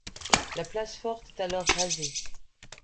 La place forte est alors rasée.